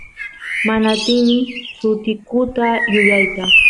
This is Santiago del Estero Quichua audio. mana atini sutikuta yuyayta